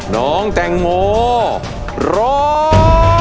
น้องแตงโมร้อง